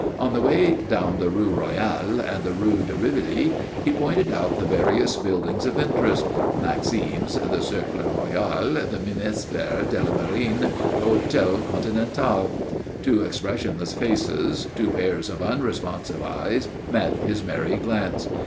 On the way down the Rue Royale and the Rue de Rivoli he pointed out the various buildings of interest Maxim's, the Cercle Royal, the Ministère de la Marine, the Hôtel Continental. Two expressionless faces, two pairs of unresponsive eyes, met his merry glance.